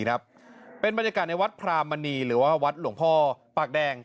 ครับเป็นบรรยากาศในวัดพรามณีหรือว่าวัดหลวงพ่อปากแดง